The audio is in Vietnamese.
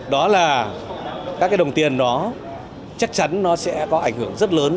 đó là các cái đồng tiền đó chắc chắn nó sẽ có ảnh hưởng rất lớn